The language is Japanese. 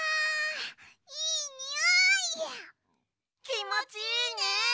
きもちいいね！